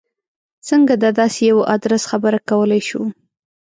څنګه د داسې یوه ادرس خبره کولای شو.